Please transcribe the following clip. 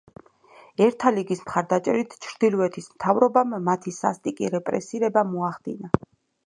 ერთა ლიგის მხარდაჭერით, ჩრდილოეთის მთავრობამ მათი სასტიკი რეპრესირება მოახდინა.